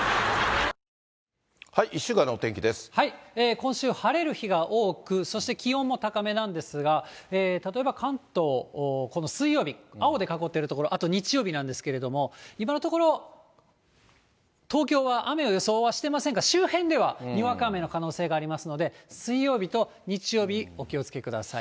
今週、晴れる日が多く、そして気温も高めなんですが、例えば関東、この水曜日、青で囲っているところ、あと日曜日なんですけれども、今のところ、東京は雨の予想はしていませんが、周辺ではにわか雨の可能性がありますので、水曜日と日曜日、お気をつけください。